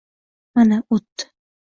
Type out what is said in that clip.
Mana, oʻtdi